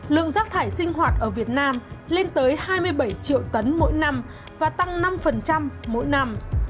lượng rác thải sinh hoạt ở việt nam lên tới hai mươi bảy triệu tấn mỗi năm và tăng năm mỗi năm